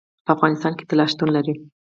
په افغانستان کې طلا شتون لري.